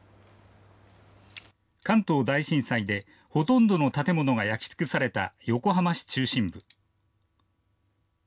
関東大震災で、ほとんどの建物が焼き尽くされた横浜市中心部。